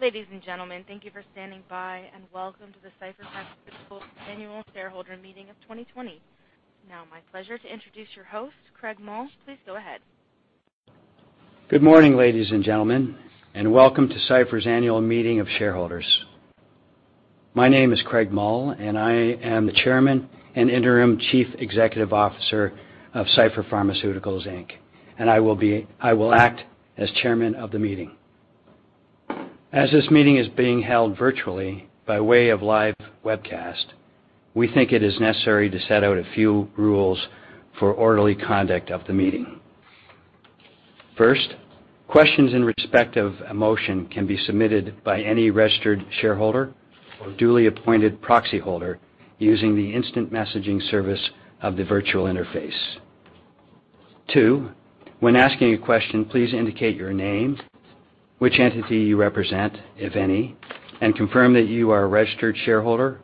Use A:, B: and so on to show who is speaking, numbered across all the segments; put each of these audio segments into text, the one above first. A: Ladies and gentlemen, thank you for standing by, and welcome to the Cipher Pharmaceuticals' Annual Shareholder Meeting of 2020. Now, my pleasure to introduce your host, Craig Mull. Please go ahead.
B: Good morning, ladies and gentlemen, and welcome to Cipher's annual meeting of shareholders. My name is Craig Mull, and I am the Chairman and Interim Chief Executive Officer of Cipher Pharmaceuticals, Inc., and I will act as Chairman of the meeting. As this meeting is being held virtually by way of live webcast, we think it is necessary to set out a few rules for orderly conduct of the meeting. First, questions in respect of a motion can be submitted by any registered shareholder or duly appointed proxy holder using the instant messaging service of the virtual interface. Two, when asking a question, please indicate your name, which entity you represent, if any, and confirm that you are a registered shareholder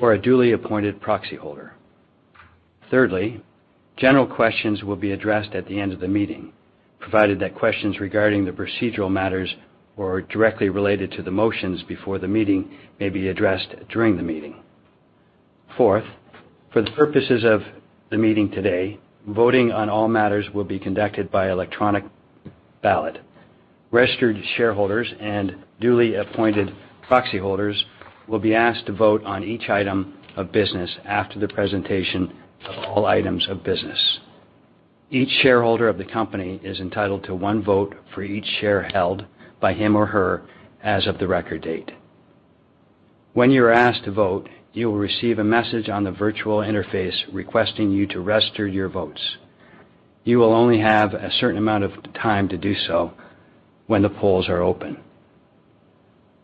B: or a duly appointed proxy holder. Thirdly, general questions will be addressed at the end of the meeting, provided that questions regarding the procedural matters or directly related to the motions before the meeting may be addressed during the meeting. Fourth, for the purposes of the meeting today, voting on all matters will be conducted by electronic ballot. Registered shareholders and duly appointed proxy holders will be asked to vote on each item of business after the presentation of all items of business. Each shareholder of the company is entitled to one vote for each share held by him or her as of the record date. When you are asked to vote, you will receive a message on the virtual interface requesting you to register your votes. You will only have a certain amount of time to do so when the polls are open.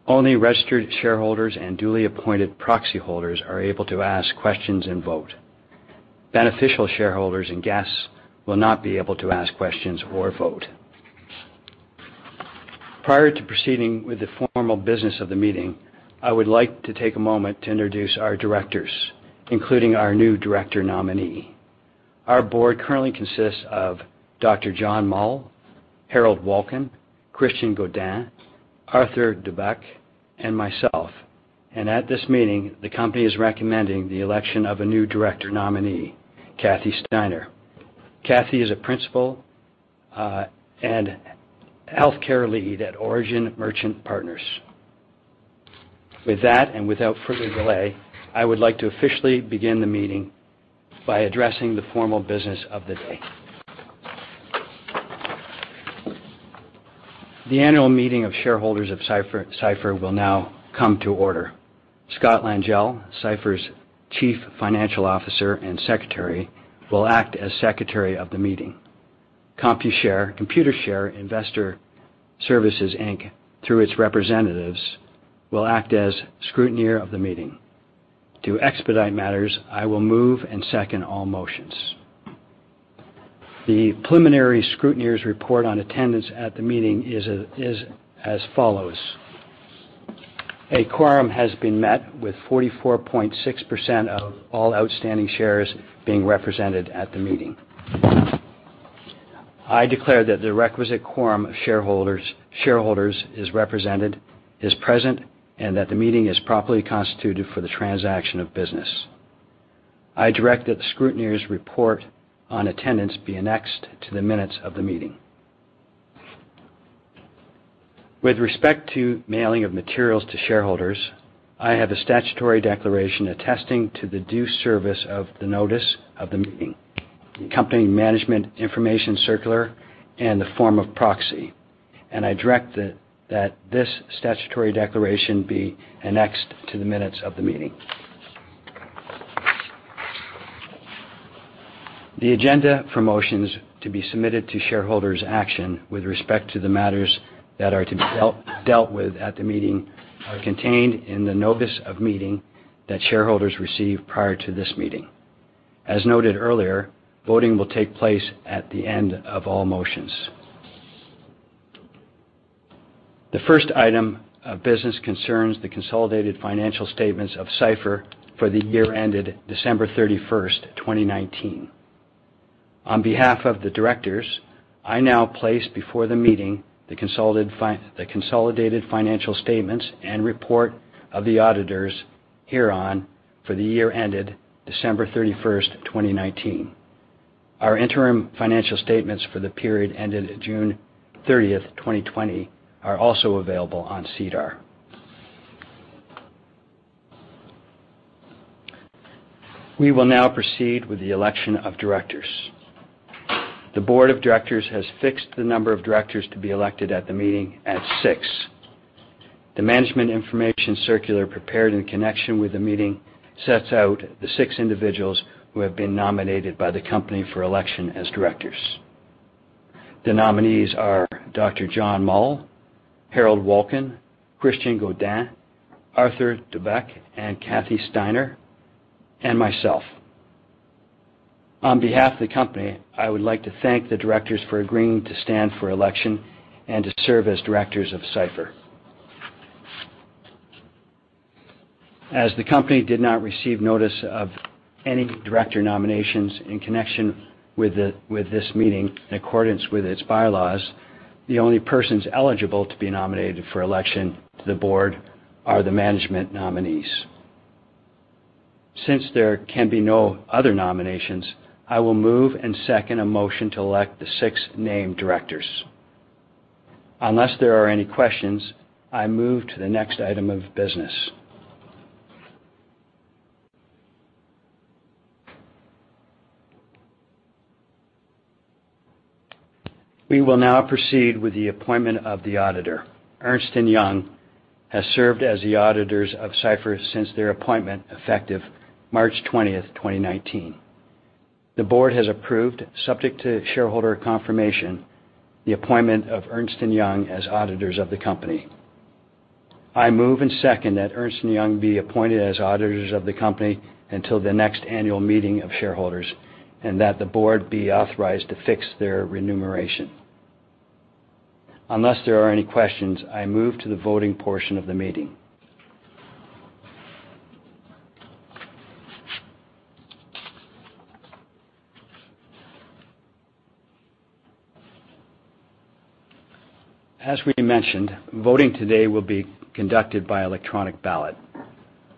B: Only registered shareholders and duly appointed proxy holders are able to ask questions and vote. Beneficial shareholders and guests will not be able to ask questions or vote. Prior to proceeding with the formal business of the meeting, I would like to take a moment to introduce our directors, including our new director nominee. Our board currently consists of Dr. John Mull, Harold Wilkin, Christian Godin, Arthur DeBock, and myself, and at this meeting, the company is recommending the election of a new director nominee, Cathy Steiner. Cathy is a principal and healthcare lead at Origin Merchant Partners. With that, and without further delay, I would like to officially begin the meeting by addressing the formal business of the day. The annual meeting of shareholders of Cipher will now come to order. Scott Langille, Cipher's Chief Financial Officer and Secretary, will act as Secretary of the meeting. Computershare Investor Services Inc., through its representatives, will act as scrutineer of the meeting. To expedite matters, I will move and second all motions. The preliminary scrutineer's report on attendance at the meeting is as follows. A quorum has been met with 44.6% of all outstanding shares being represented at the meeting. I declare that the requisite quorum of shareholders is present and that the meeting is properly constituted for the transaction of business. I direct that the scrutineer's report on attendance be annexed to the minutes of the meeting. With respect to mailing of materials to shareholders, I have a statutory declaration attesting to the due service of the notice of the meeting, the company's Management Information Circular, and the form of proxy, and I direct that this statutory declaration be annexed to the minutes of the meeting. The agenda for motions to be submitted to shareholders' action with respect to the matters that are to be dealt with at the meeting are contained in the notice of meeting that shareholders receive prior to this meeting. As noted earlier, voting will take place at the end of all motions. The first item of business concerns the consolidated financial statements of Cipher for the year ended December 31st, 2019. On behalf of the directors, I now place before the meeting the consolidated financial statements and report of the auditors hereon for the year ended December 31st, 2019. Our interim financial statements for the period ended June 30th, 2020, are also available on SEDAR. We will now proceed with the election of directors. The board of directors has fixed the number of directors to be elected at the meeting at six. The management information circular prepared in connection with the meeting sets out the six individuals who have been nominated by the company for election as directors. The nominees are Dr. John Mull, Harold Wilkin, Christian Godin, Arthur DeBock, and Cathy Steiner, and myself. On behalf of the company, I would like to thank the directors for agreeing to stand for election and to serve as directors of Cipher. As the company did not receive notice of any director nominations in connection with this meeting in accordance with its bylaws, the only persons eligible to be nominated for election to the board are the management nominees. Since there can be no other nominations, I will move and second a motion to elect the six named directors. Unless there are any questions, I move to the next item of business. We will now proceed with the appointment of the auditor. Ernst & Young has served as the auditors of Cipher since their appointment effective March 20th, 2019. The board has approved, subject to shareholder confirmation, the appointment of Ernst & Young as Auditors of the company. I move and second that Ernst & Young be appointed as auditors of the company until the next annual meeting of shareholders and that the board be authorized to fix their remuneration. Unless there are any questions, I move to the voting portion of the meeting. As we mentioned, voting today will be conducted by electronic ballot.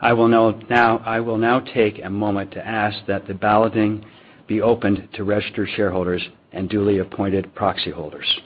B: I will now take a moment to ask that the balloting be opened to registered shareholders and duly appointed proxy holders.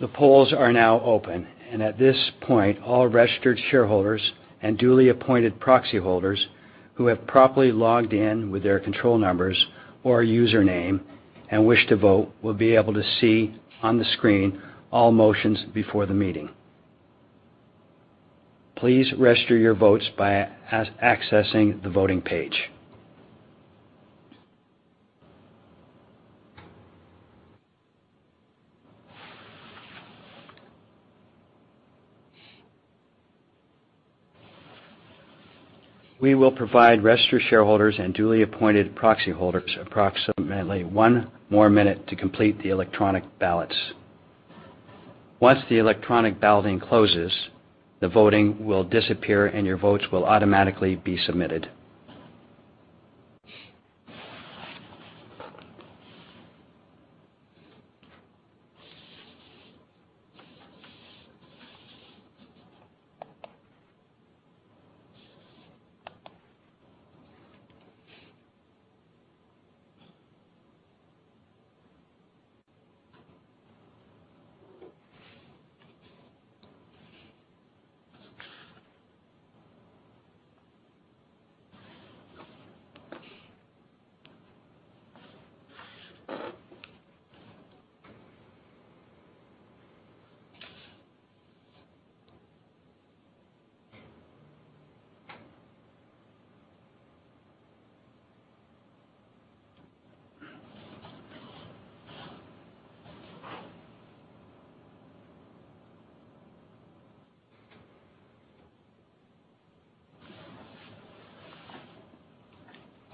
B: The polls are now open, and at this point, all registered shareholders and duly appointed proxy holders who have properly logged in with their control numbers or username and wish to vote will be able to see on the screen all motions before the meeting. Please register your votes by accessing the voting page. We will provide registered shareholders and duly appointed proxy holders approximately one more minute to complete the electronic ballots. Once the electronic balloting closes, the voting will disappear and your votes will automatically be submitted.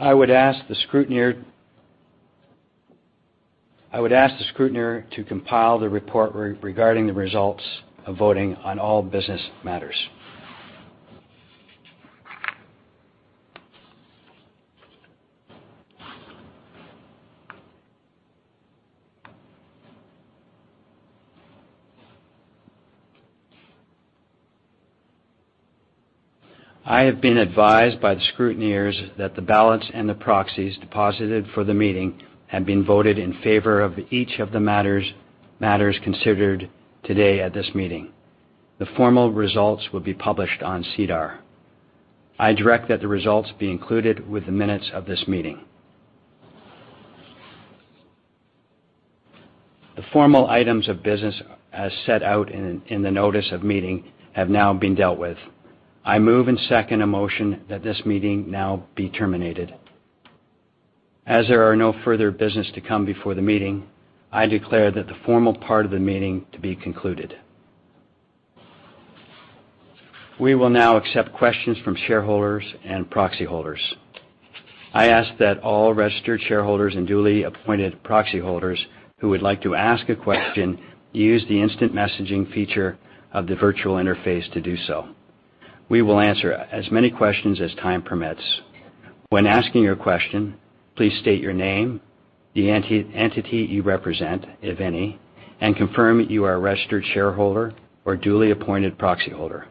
B: I would ask the scrutineer to compile the report regarding the results of voting on all business matters. I have been advised by the scrutineers that the ballots and the proxies deposited for the meeting have been voted in favor of each of the matters considered today at this meeting. The formal results will be published on SEDAR. I direct that the results be included with the minutes of this meeting. The formal items of business as set out in the notice of meeting have now been dealt with. I move and second a motion that this meeting now be terminated. As there are no further business to come before the meeting, I declare that the formal part of the meeting to be concluded. We will now accept questions from shareholders and proxy holders. I ask that all registered shareholders and duly appointed proxy holders who would like to ask a question use the instant messaging feature of the virtual interface to do so. We will answer as many questions as time permits. When asking your question, please state your name, the entity you represent, if any, and confirm you are a registered shareholder or duly appointed proxy holder.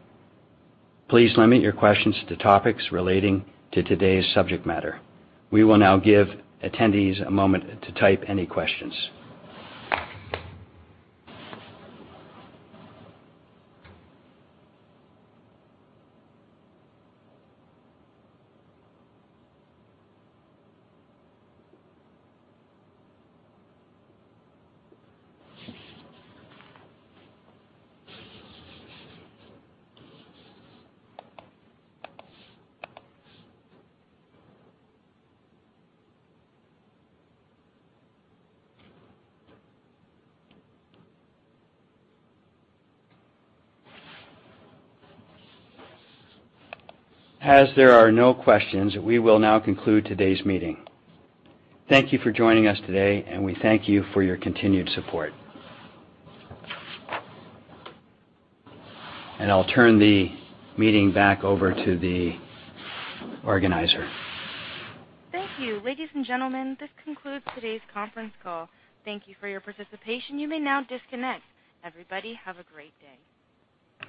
B: Please limit your questions to topics relating to today's subject matter. We will now give attendees a moment to type any questions. As there are no questions, we will now conclude today's meeting. Thank you for joining us today, and we thank you for your continued support. And I'll turn the meeting back over to the organizer.
A: Thank you. Ladies and gentlemen, this concludes today's conference call. Thank you for your participation. You may now disconnect. Everybody, have a great day.